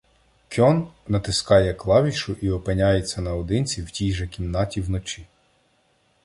Кьон натискає клавішу і опиняється наодинці в тій же кімнаті вночі.